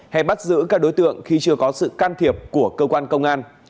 hay bắt giữ các đối tượng khi chưa có sự can thiệp của cơ quan công an